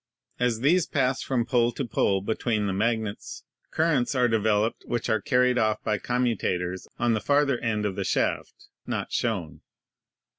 As these pass from pole to pole between the magnets currents are developed which are carried off by commutators on the farther end of the shaft, not shown.